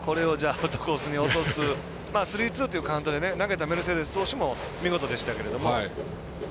アウトコースに落とすスリーツーというカウントで投げたメルセデス投手も見事でしたけども。